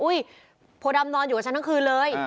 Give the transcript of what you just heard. โพดำนอนอยู่กับฉันทั้งคืนเลย